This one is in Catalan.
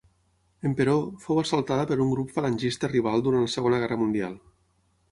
Emperò, fou assaltada per un grup falangista rival durant la Segona Guerra Mundial.